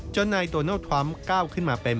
นายโดนัลด์ทรัมป์ก้าวขึ้นมาเป็น